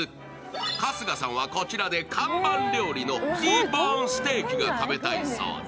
春日さんはこちらで看板料理のＴボーン・ステーキが食べたいそうで。